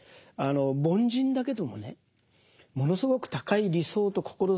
凡人だけどもねものすごく高い理想と志を持ってた。